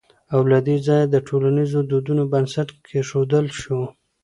او له دې ځايه د ټولنيزو دودونو بنسټ کېښودل شو